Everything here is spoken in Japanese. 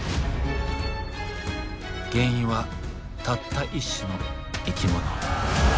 原因はたった一種の生き物。